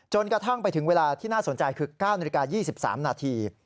จนกระทั่งไปถึงเวลาที่น่าสนใจคือ๙๒๓นาที